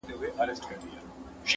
او حالت سختيږي